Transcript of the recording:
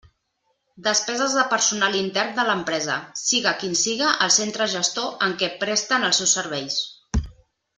Despeses de personal intern de l'empresa, siga quin siga el centre gestor en què presten els seus serveis.